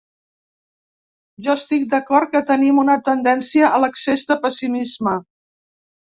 Jo estic d’acord que tenim una tendència a l’excés de pessimisme.